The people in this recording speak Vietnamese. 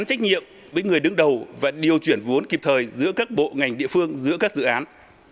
trách nhiệm với người đứng đầu và điều chuyển vốn kịp thời giữa các bộ ngành địa phương giữa các dự án